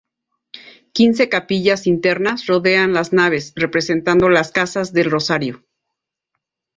Quince capillas internas rodean las naves, representando las casas del Rosario.